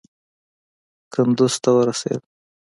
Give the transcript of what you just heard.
کندوز ته ورسېد.